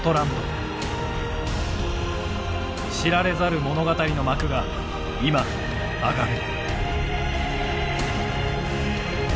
知られざる物語の幕が今上がる。